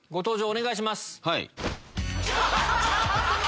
お願いします。